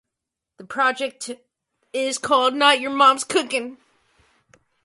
The project was to be called "Roy Orbison Live in England".